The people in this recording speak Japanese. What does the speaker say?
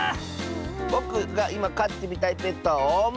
ぼくがいまかってみたいペットはオウム！